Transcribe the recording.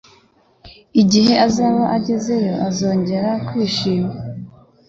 Igihe azaba agezeyo, azongera kwishima.